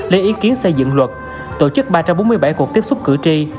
lấy ý kiến xây dựng luật tổ chức ba trăm bốn mươi bảy cuộc tiếp xúc cử tri